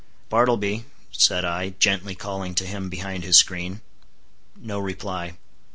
"Bartleby," said I, gently calling to him behind his screen. No reply.